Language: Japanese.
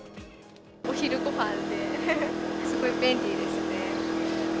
お昼ごはんで、すごい便利ですね。